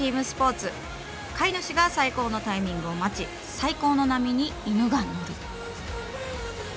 飼い主が最高のタイミングを待ち最高の波に犬が乗る。